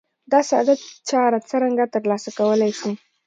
دا ساده چاره څرنګه ترسره کولای شو؟